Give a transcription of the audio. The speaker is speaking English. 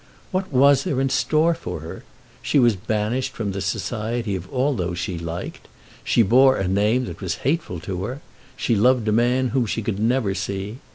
What was there in store for her? She was banished from the society of all those she liked. She bore a name that was hateful to her. She loved a man whom she could never see.